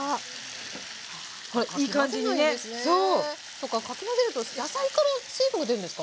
そっかかき混ぜると野菜から水分が出るんですか？